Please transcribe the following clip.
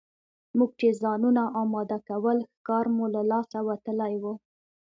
موږ چې ځانونه اماده کول ښکار مو له لاسه وتلی وو.